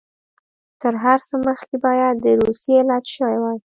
تر هر څه مخکې باید د روسیې علاج شوی وای.